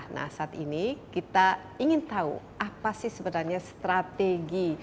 nah saat ini kita ingin tahu apa sih sebenarnya strategi